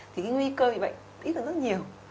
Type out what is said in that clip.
thì cái nguy cơ bị bệnh ít hơn rất nhiều